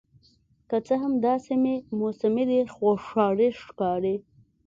که څه هم دا سیمې موسمي دي خو ښاري ښکاري